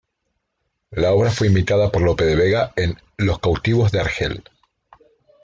La obra fue imitada por Lope de Vega en "Los cautivos de Argel".